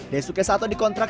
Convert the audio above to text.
daisuke sato dikontrak